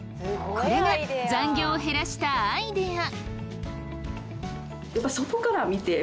これが残業を減らしたアイデア！